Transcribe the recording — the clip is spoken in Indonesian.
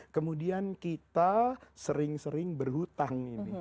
kemudian kita sering sering berhutang ini